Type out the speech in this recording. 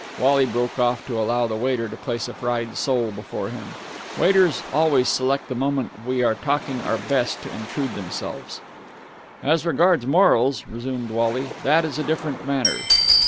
Wally broke off to allow the waiter to place a fried sole before him. Waiters always select the moment when we are talking our best to intrude themselves. "As regards morals," resumed Wally, "that is a different matter.